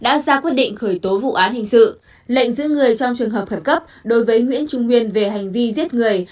cơ quan cảnh sát điều tra công an tp hà nội đã ra quyết định khởi tố vụ án hình sự lệnh giữ người trong trường hợp khẩn cấp đối với nguyễn trung huyền về hành vi giết người